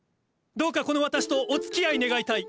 どうかこの私とおつきあい願いたい。